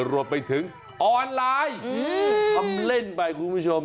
รวมไปถึงออนไลน์ทำเล่นไปคุณผู้ชม